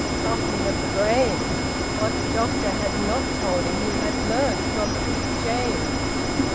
Softening of the brain! What the doctor had not told him he had learned from Big James.